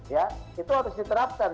ya itu harus diterapkan